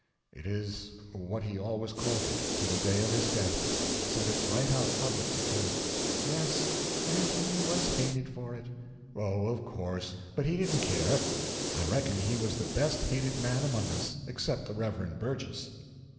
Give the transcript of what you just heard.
"It is what he always called it, to the day of his death said it right out publicly, too." "Yes, and he was hated for it." "Oh, of course; but he didn't care. I reckon he was the best hated man among us, except the Reverend Burgess."